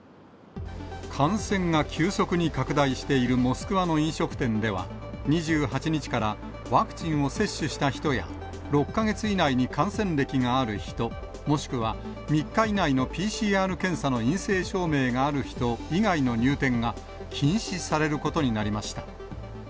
感染が急速に拡大しているモスクワの飲食店では、２８日から、ワクチンを接種した人や、６か月以内に感染歴がある人、もしくは３日以内のＰＣＲ検査の陰性証明がある人以外の入店が、禁止されることになりました。